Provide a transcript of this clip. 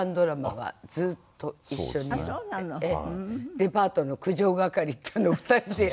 デパートの苦情係っていうのを２人でやって。